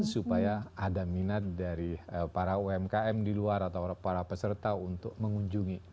supaya ada minat dari para umkm di luar atau para peserta untuk mengunjungi